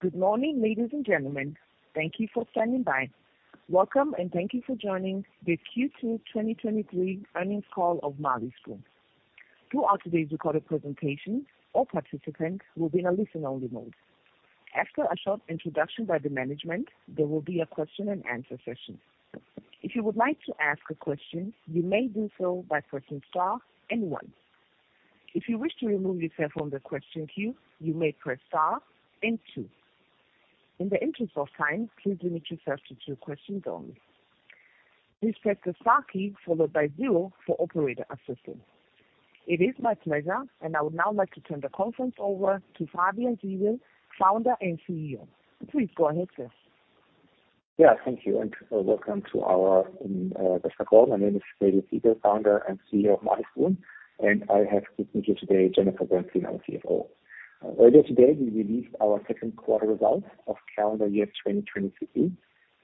Good morning, ladies and gentlemen. Thank you for standing by. Welcome, and thank you for joining the Q2 2023 earnings call of Marley Spoon. Throughout today's recorded presentation, all participants will be in a listen-only mode. After a short introduction by the management, there will be a question and answer session. If you would like to ask a question, you may do so by pressing star and one. If you wish to remove yourself from the question queue, you may press star and two. In the interest of time, please limit yourself to two questions only. Please press the star key followed by zero for operator assistance. It is my pleasure, and I would now like to turn the conference over to Fabian Siegel, Founder and CEO. Please go ahead, sir. Thank you, welcome to our press call. My name is Fabian Siegel, founder and CEO of Marley Spoon. I have with me here today, Jennifer Bernstein, our CFO. Earlier today, we released our second quarter results of calendar year 2023.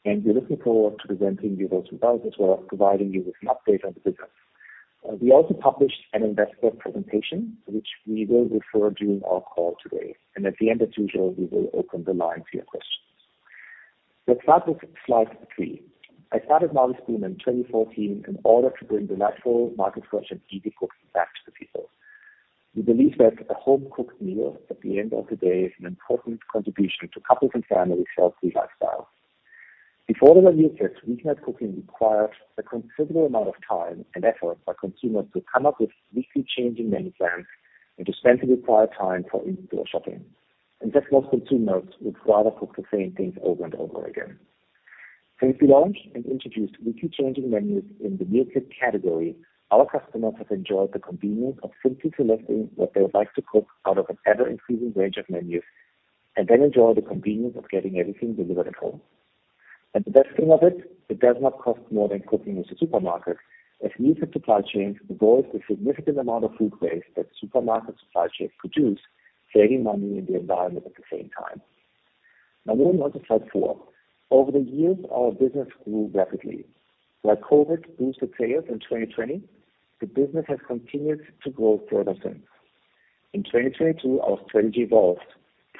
We're looking forward to presenting you those results as well as providing you with an update on the business. We also published an investor presentation, which we will refer during our call today. At the end, as usual, we will open the line to your questions. Let's start with slide 3. I started Marley Spoon in 2014 in order to bring the natural market fresh and easy cooking back to the people. We believe that a home-cooked meal at the end of the day is an important contribution to couples and families' healthy lifestyle. Before the meal kit, weekend cooking required a considerable amount of time and effort by consumers to come up with weekly changing menu plans and to spend the required time for in-store shopping. That most consumers would rather cook the same things over and over again. Since we launched and introduced weekly changing menus in the meal kit category, our customers have enjoyed the convenience of simply selecting what they would like to cook out of an ever-increasing range of menus, and then enjoy the convenience of getting everything delivered at home. The best thing of it does not cost more than cooking with the supermarket. Meal kit supply chains avoid the significant amount of food waste that supermarket supply chains produce, saving money and the environment at the same time. Moving on to slide 4. Over the years, our business grew rapidly. While COVID boosted sales in 2020, the business has continued to grow further since. In 2022, our strategy evolved,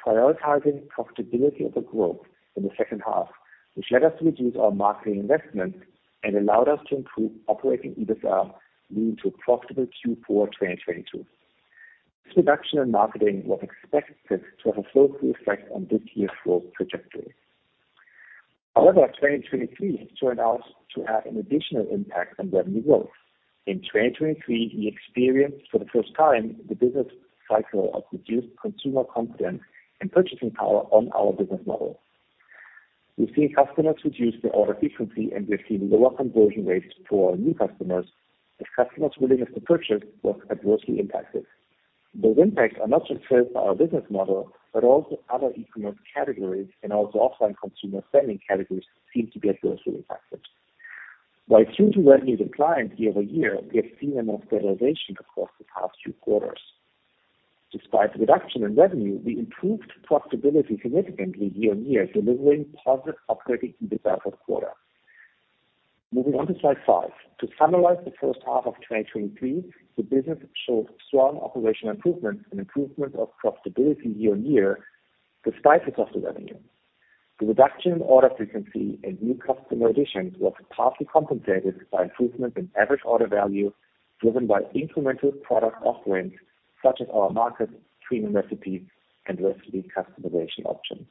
prioritizing profitability over growth in the second half, which led us to reduce our marketing investment and allowed us to improve Operating EBITDA, leading to a profitable Q4 2022. This reduction in marketing was expected to have a full effect on this year's growth trajectory. 2023 turned out to have an additional impact on revenue growth. In 2023, we experienced for the first time the business cycle of reduced consumer confidence and purchasing power on our business model. We've seen customers reduce their order frequency, and we've seen lower conversion rates for our new customers as customers willingness to purchase was adversely impacted. Those impacts are not just felt by our business model, but also other e-commerce categories and also offline consumer spending categories seem to be adversely impacted. While Q2 revenues declined year-over-year, we have seen a stabilization across the past few quarters. Despite the reduction in revenue, we improved profitability significantly year-on-year, delivering positive Operating EBITDA for the quarter. Moving on to slide 5. To summarize, the first half of 2023, the business showed strong operational improvements and improvement of profitability year-on-year, despite the cost of revenue. The reduction in order frequency and new customer additions was partly compensated by improvements in average order value, driven by incremental product offerings such as our Market Premium recipes and recipe customization options.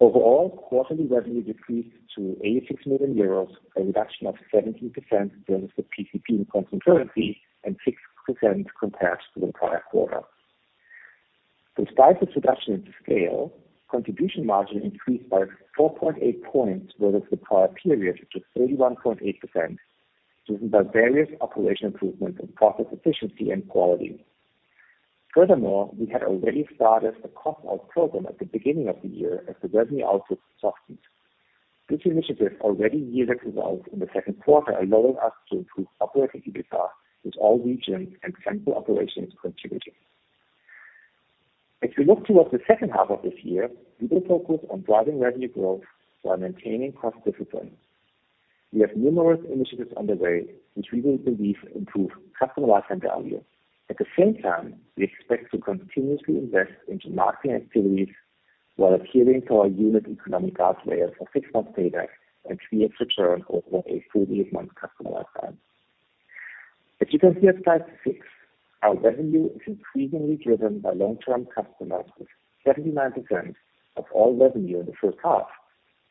Overall, quarterly revenue decreased to 86 million euros, a reduction of 17% versus the PCP in constant currency and 6% compared to the prior quarter. Despite this reduction in scale, contribution margin increased by 4.8 points versus the prior period, which is 31.8%, driven by various operational improvements in process efficiency and quality. We had already started a cost-out program at the beginning of the year as the revenue output softened. This initiative already yielded results in the second quarter, allowing us to improve Operating EBITDA with all regions and central operations contributing. As we look towards the second half of this year, we will focus on driving revenue growth while maintaining cost discipline. We have numerous initiatives underway, which we will believe improve customer lifetime value. At the same time, we expect to continuously invest into marketing activities while adhering to our unit economic pathway of a 6-month payback and 3 years return over a 48-month customer lifetime. As you can see on slide 6, our revenue is increasingly driven by long-term customers, 79% of all revenue in the first half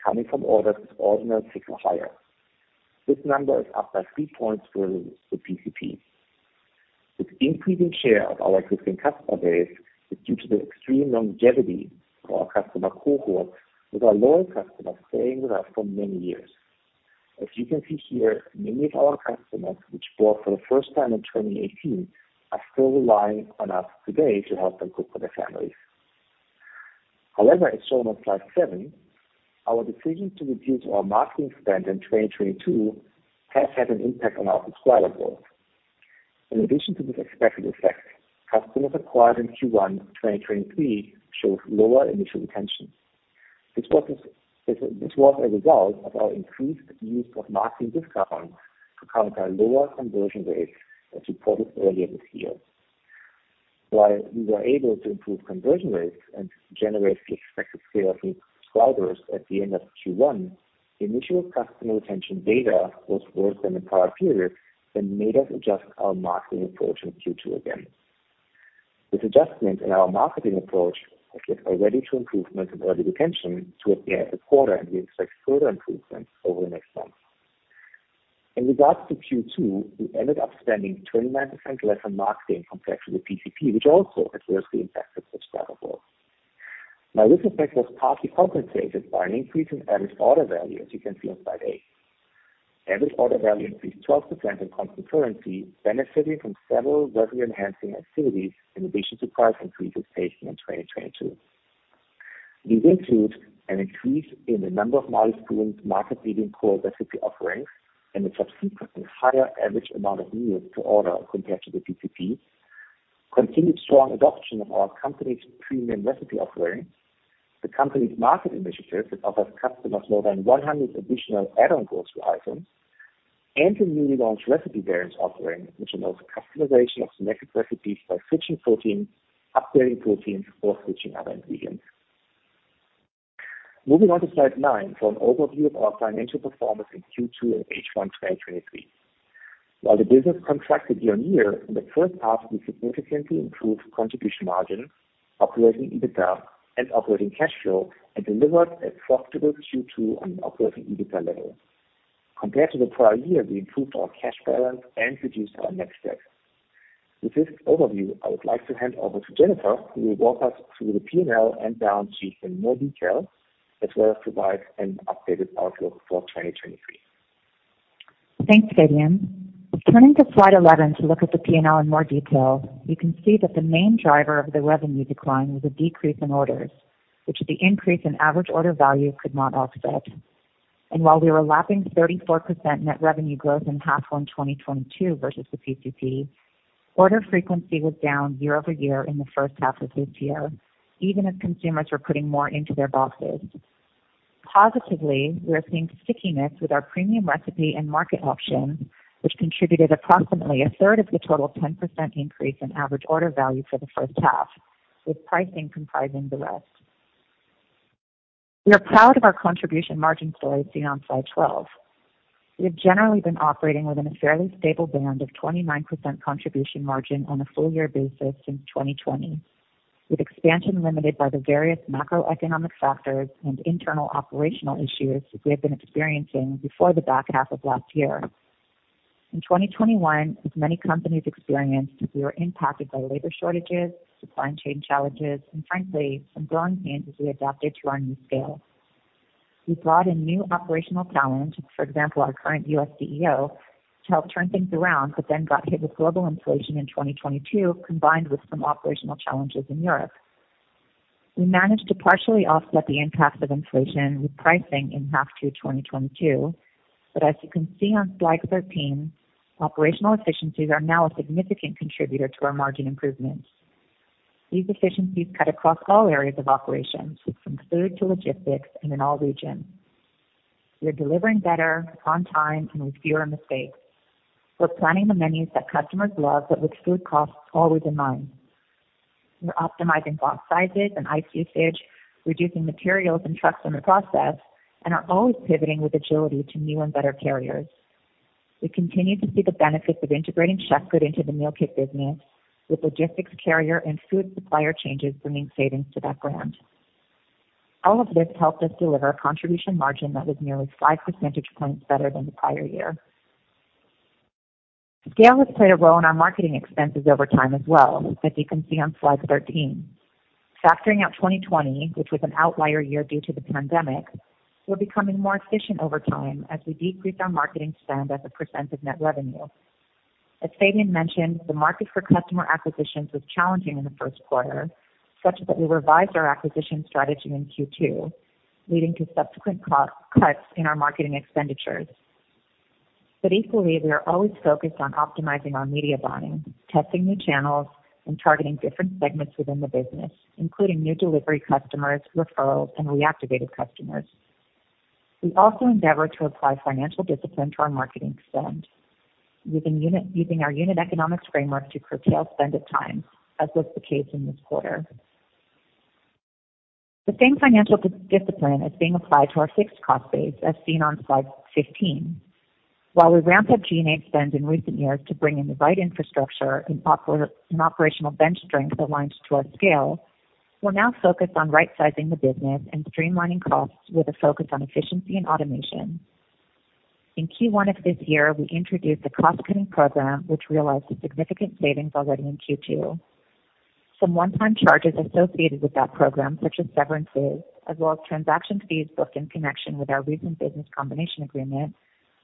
coming from orders of ordinary 6 or higher. This number is up by 3 points versus the PCP. This increasing share of our existing customer base is due to the extreme longevity of our customer cohort, with our loyal customers staying with us for many years. As you can see here, many of our customers, which bought for the first time in 2018, are still relying on us today to help them cook for their families. However, as shown on slide seven, our decision to reduce our marketing spend in 2022 has had an impact on our subscriber growth. In addition to this expected effect, customers acquired in Q1 2023 shows lower initial retention. This was a result of our increased use of marketing discounts to counter lower conversion rates that we reported earlier this year. While we were able to improve conversion rates and generate the expected scale of new subscribers at the end of Q1, the initial customer retention data was worse than the prior period and made us adjust our marketing approach in Q2 again. This adjustment in our marketing approach has led already to improvement in early retention towards the end of the quarter, and we expect further improvements over the next months. In regards to Q2, we ended up spending 29% less on marketing compared to the PCP, which also adversely impacted subscriber growth. This effect was partly compensated by an increase in average order value, as you can see on slide 8. Average order value increased 12% in constant currency, benefiting from several revenue-enhancing activities in addition to price increases taken in 2022. These include an increase in the number of meal streams, market-leading core recipe offerings, and the subsequent and higher average amount of meals per order compared to the PCP. Continued strong adoption of our company's Premium recipe offerings, the company's market initiatives that offers customers more than 100 additional add-on grocery items, and the newly launched recipe variants offering, which allows the customization of selected recipes by switching protein, upgrading protein, or switching other ingredients. Moving on to slide 9 for an overview of our financial performance in Q2 and H1 2023. While the business contracted year-on-year, in the first half, we significantly improved contribution margin, operating EBITDA, and operating cash flow, and delivered a profitable Q2 on an operating EBITDA level. Compared to the prior year, we improved our cash balance and reduced our net debt. With this overview, I would like to hand over to Jennifer, who will walk us through the P&L and balance sheet in more detail, as well as provide an updated outlook for 2023. Thanks, Fabian. Turning to slide 11 to look at the P&L in more detail, you can see that the main driver of the revenue decline was a decrease in orders, which the increase in average order value could not offset. While we were lapping 34% net revenue growth in half one 2022 versus the PCP, order frequency was down year-over-year in the first half of this year, even as consumers were putting more into their boxes. Positively, we are seeing stickiness with our Premium recipe and Market option, which contributed approximately a third of the total 10% increase in average order value for the first half, with pricing comprising the rest. We are proud of our contribution margin story, seen on slide 12. We have generally been operating within a fairly stable band of 29% contribution margin on a full year basis since 2020, with expansion limited by the various macroeconomic factors and internal operational issues we have been experiencing before the back half of last year. In 2021, as many companies experienced, we were impacted by labor shortages, supply chain challenges, and frankly, some growing pains as we adapted to our new scale. We brought in new operational talent, for example, our current U.S. CEO, to help turn things around, but then got hit with global inflation in 2022, combined with some operational challenges in Europe. We managed to partially offset the impact of inflation with pricing in half 2 2022, but as you can see on slide 13, operational efficiencies are now a significant contributor to our margin improvements. These efficiencies cut across all areas of operations, from food to logistics and in all regions. We are delivering better, on time, and with fewer mistakes. We're planning the menus that customers love, but with food costs always in mind. We're optimizing box sizes and ice usage, reducing materials and trucks in the process, and are always pivoting with agility to new and better carriers. We continue to see the benefits of integrating Chefgood into the meal kit business, with logistics, carrier, and food supplier changes bringing savings to that brand. All of this helped us deliver a contribution margin that was nearly five percentage points better than the prior year. Scale has played a role in our marketing expenses over time as well, as you can see on slide 13. Factoring out 2020, which was an outlier year due to the pandemic, we're becoming more efficient over time as we decrease our marketing spend as a % of net revenue. As Fabian mentioned, the market for customer acquisitions was challenging in the first quarter, such that we revised our acquisition strategy in Q2, leading to subsequent cost cuts in our marketing expenditures. Equally, we are always focused on optimizing our media buying, testing new channels, and targeting different segments within the business, including new delivery customers, referrals, and reactivated customers. We also endeavor to apply financial discipline to our marketing spend using our unit economics framework to curtail spend at times, as was the case in this quarter. The same financial discipline is being applied to our fixed cost base, as seen on slide 15. While we ramped up G&A spend in recent years to bring in the right infrastructure and operational bench strength aligned to our scale, we're now focused on right-sizing the business and streamlining costs with a focus on efficiency and automation. In Q1 of this year, we introduced a cost-cutting program, which realized a significant savings already in Q2. Some one-time charges associated with that program, such as severances, as well as transaction fees booked in connection with our recent business combination agreement,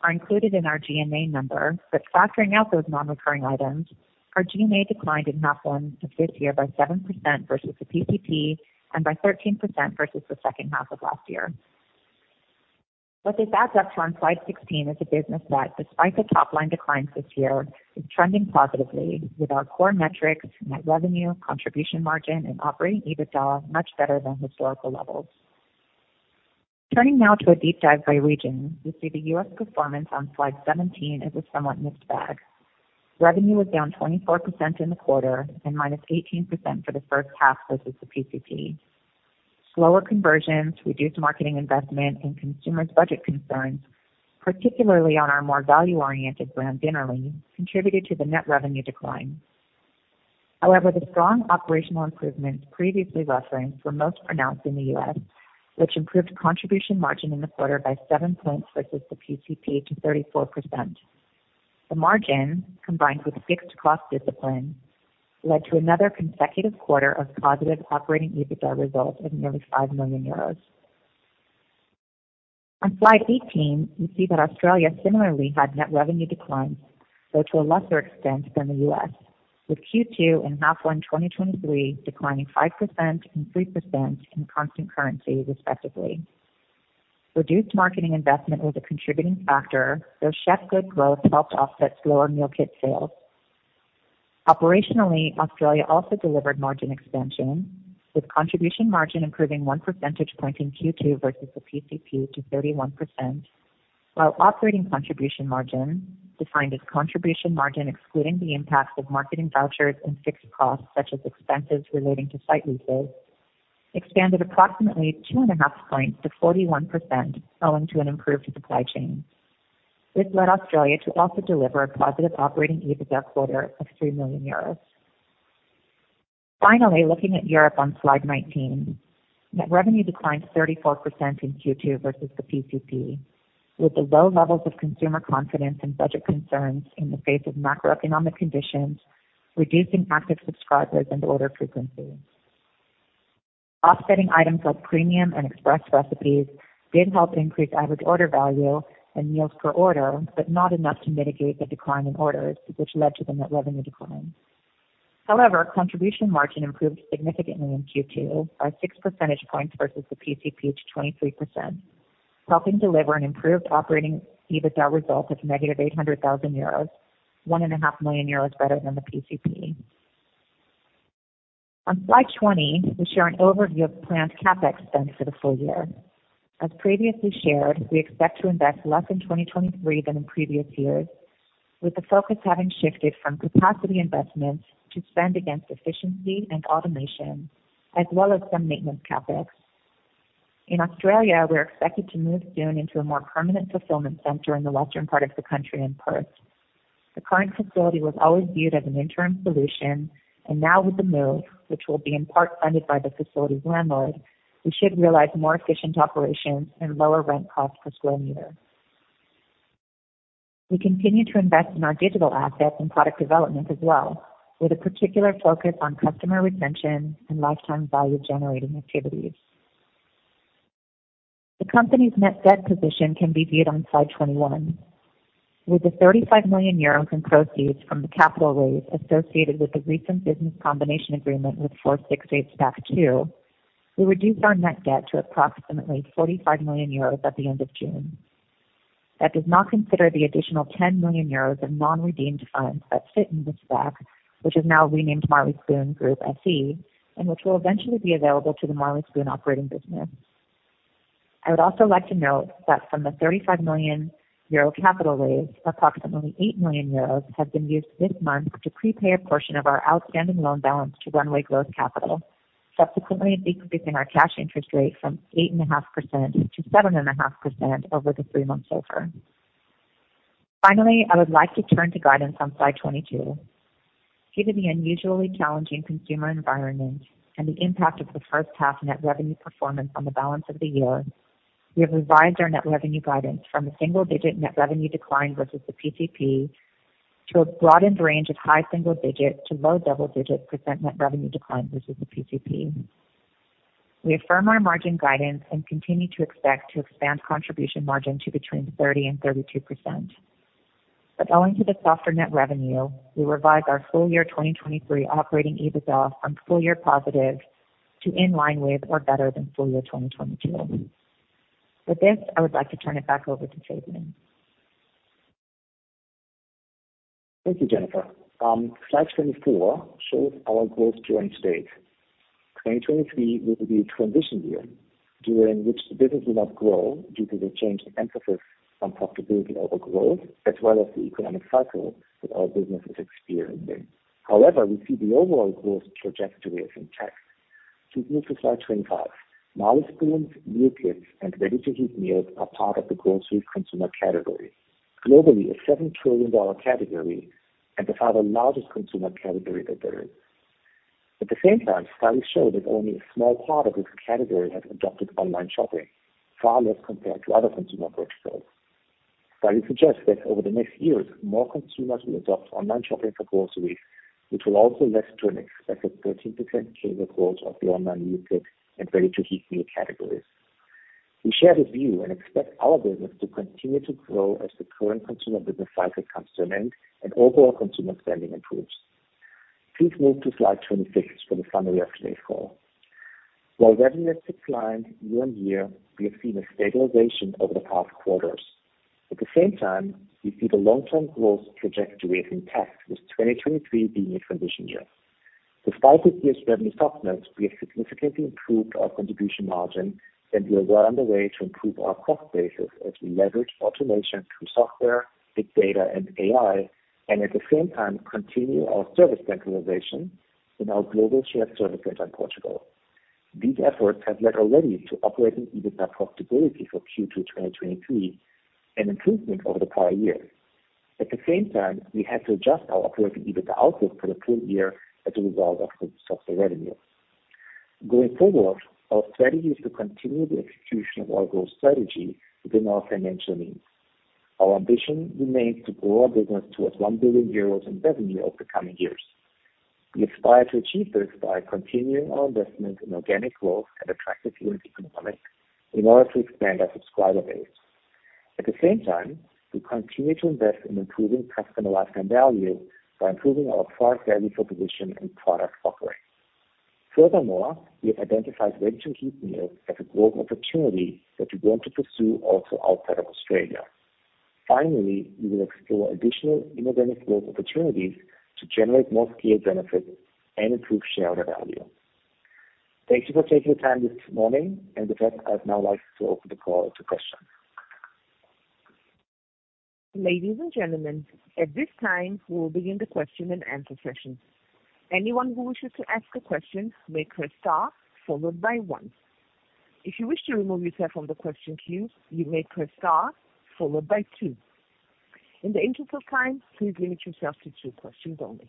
are included in our G&A number. Factoring out those non-recurring items, our GA declined in half one of this year by 7% versus the PCP and by 13% versus the second half of last year. This backs up to on Slide 16 is a business that, despite the top line declines this year, is trending positively with our core metrics, net revenue, contribution margin, and Operating EBITDA much better than historical levels. Turning now to a deep dive by region, you see the US performance on Slide 17 is a somewhat mixed bag. Revenue was down 24% in the quarter and minus 18% for the first half versus the PCP. Slower conversions, reduced marketing investment, and consumers budget concerns, particularly on our more value-oriented brand Dinnerly, contributed to the net revenue decline. However, the strong operational improvements previously referenced were most pronounced in the US, which improved contribution margin in the quarter by 7 points versus the PCP to 34%. The margin, combined with fixed cost discipline, led to another consecutive quarter of positive Operating EBITDA results of nearly 5 million euros. On Slide 18, you see that Australia similarly had net revenue declines, though to a lesser extent than the US, with Q2 and half one 2023 declining 5% and 3% in constant currency, respectively. Reduced marketing investment was a contributing factor, though Chefgood growth helped offset slower meal kit sales. Operationally, Australia also delivered margin expansion, with contribution margin improving 1 percentage point in Q2 versus the PCP to 31%, while operating contribution margin, defined as contribution margin excluding the impact of marketing vouchers and fixed costs such as expenses relating to site leases, expanded approximately two and a half points to 41%, owing to an improved supply chain. This led Australia to also deliver a positive Operating EBITDA quarter of 3 million euros. Looking at Europe on Slide 19, net revenue declined 34% in Q2 versus the PCP, with the low levels of consumer confidence and budget concerns in the face of macroeconomic conditions, reducing active subscribers and order frequency. Offsetting items like Premium recipes and Express Recipes did help increase average order value and meals per order, but not enough to mitigate the decline in orders, which led to the net revenue decline. Contribution margin improved significantly in Q2 by 6 percentage points versus the PCP to 23%, helping deliver an improved Operating EBITDA result of negative 800,000 euros, one and a half million EUR better than the PCP. On Slide 20, we share an overview of planned CapEx spend for the full year. As previously shared, we expect to invest less in 2023 than in previous years, with the focus having shifted from capacity investments to spend against efficiency and automation, as well as some maintenance CapEx. In Australia, we're expected to move soon into a more permanent fulfillment center in the western part of the country in Perth. The current facility was always viewed as an interim solution, and now with the move, which will be in part funded by the facility's landlord, we should realize more efficient operations and lower rent cost per square meter. We continue to invest in our digital assets and product development as well, with a particular focus on customer retention and lifetime value-generating activities. The company's net debt position can be viewed on Slide 21. With the 35 million euros in proceeds from the capital raise associated with the recent business combination agreement with 468 SPAC II SE, we reduced our net debt to approximately 45 million euros at the end of June. That does not consider the additional 10 million euros in non-redeemed funds that sit in the SPAC, which is now renamed Marley Spoon Group SE, and which will eventually be available to the Marley Spoon operating business. I would also like to note that from the 35 million euro capital raise, approximately 8 million euros have been used this month to prepay a portion of our outstanding loan balance to Runway Growth Capital, subsequently decreasing our cash interest rate from 8.5% to 7.5% over the 3-month SOFR. I would like to turn to guidance on Slide 22. Given the unusually challenging consumer environment and the impact of the first half net revenue performance on the balance of the year, we have revised our net revenue guidance from a single-digit net revenue decline versus the PCP to a broadened range of high single-digit to low double-digit % net revenue decline versus the PCP. We affirm our margin guidance and continue to expect to expand contribution margin to between 30% and 32%. Owing to the softer net revenue, we revised our full year 2023 Operating EBITDA from full year positive to in line with or better than full year 2022. With this, I would like to turn it back over to Fabian. Thank you, Jennifer. Slide 24 shows our growth year to date. 2023 will be a transition year during which the business will not grow due to the change in emphasis on profitability over growth, as well as the economic cycle that our business is experiencing. However, we see the overall growth trajectory is intact. To move to Slide 25, Marley Spoon's meal kits and ready-to-heat meals are part of the grocery consumer category, globally, a $7 trillion category and the five largest consumer category that there is. At the same time, studies show that only a small part of this category has adopted online shopping, far less compared to other consumer goods sales. Studies suggest that over the next years, more consumers will adopt online shopping for groceries, which will also lead to an expected 13% CAGR growth of the online meal kit and ready-to-heat meal categories. We share this view and expect our business to continue to grow as the current consumer business cycle comes to an end and overall consumer spending improves. Please move to slide 26 for the summary of today's call. While revenue has declined year-on-year, we have seen a stabilization over the past quarters. At the same time, we see the long-term growth trajectory is intact, with 2023 being a transition year. Despite the CS revenue softness, we have significantly improved our contribution margin, and we are well on the way to improve our cost basis as we leverage automation through software, big data, and AI, and at the same time continue our service centralization in our global shared service center in Portugal. These efforts have led already to Operating EBITDA profitability for Q2, 2023, an improvement over the prior year. At the same time, we had to adjust our operating EBITDA outlook for the full year as a result of the software revenue. Going forward, our strategy is to continue the execution of our growth strategy within our financial means. Our ambition remains to grow our business towards 1 billion euros in revenue over the coming years. We aspire to achieve this by continuing our investment in organic growth and attractive unit economics in order to expand our subscriber base. At the same time, we continue to invest in improving customer lifetime value by improving our cross-selling proposition and product offering. Furthermore, we have identified ready-to-heat meals as a growth opportunity that we're going to pursue also outside of Australia. Finally, we will explore additional inorganic growth opportunities to generate more scale benefits and improve shareholder value. Thank you for taking the time this morning, and with that, I'd now like to open the call to questions. Ladies and gentlemen, at this time, we will begin the question and answer session. Anyone who wishes to ask a question may press star followed by one. If you wish to remove yourself from the question queue, you may press star followed by two. In the interest of time, please limit yourself to two questions only.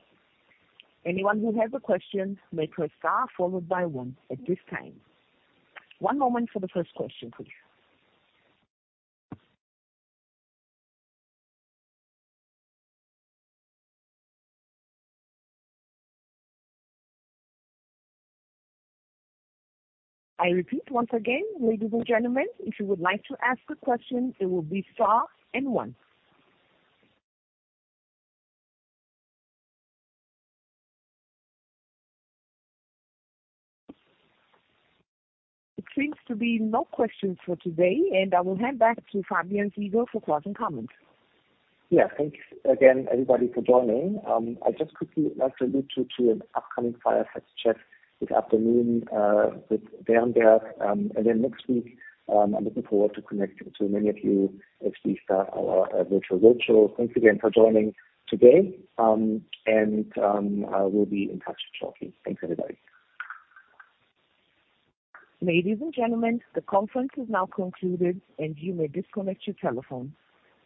Anyone who has a question, may press star followed by one at this time. One moment for the first question, please. I repeat, once again, ladies and gentlemen, if you would like to ask a question, it will be star and one. It seems to be no questions for today, and I will hand back to Fabian Siegel for closing comments. Yeah. Thanks again, everybody, for joining. I just quickly like to allude you to an upcoming fireside chat this afternoon, with Bernd Beetz, and then next week, I'm looking forward to connecting to many of you as we start our virtual roadshow. Thanks again for joining today, and I will be in touch shortly. Thanks, everybody. Ladies and gentlemen, the conference is now concluded, and you may disconnect your telephone.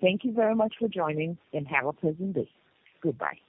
Thank you very much for joining, and have a pleasant day. Goodbye.